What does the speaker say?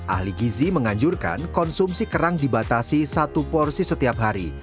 ahli gizi menganjurkan konsumsi kerang dibatasi satu porsi setiap hari